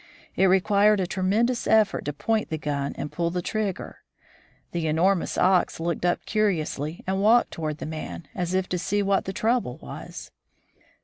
It required a tremendous effort to point the gun and pull the trigger. The enormous ox looked up curiously, and walked toward the man, as if to see what the trouble was.